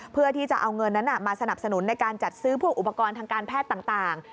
เพื่อที่จะเอาเงินนั้นมาสนับสนุนในการจัดซื้อพวกอุปกรณ์ทางการแพทย์ต่าง